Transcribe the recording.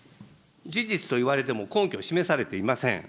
事実と言われても、根拠を示されていません。